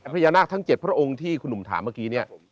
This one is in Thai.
พญานาคทั้ง๗พระองค์ที่คุณหนุ่มถามเมื่อกี้เนี่ย